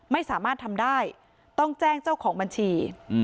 ไม่สามารถทำได้ต้องแจ้งเจ้าของบัญชี